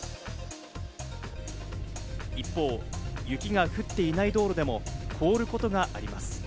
一方、雪が降っていない道路でも凍ることがあります。